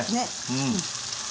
うん。